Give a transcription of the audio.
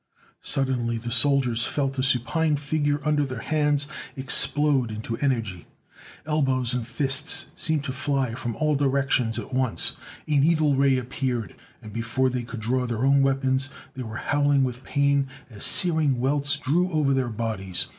Suddenly the soldiers felt the supine figure under their hands explode into energy. Elbows and fists seemed to fly from all directions at once. A needle ray appeared, and before they could draw their own weapons they were howling with pain as searing welts drew over their bodies.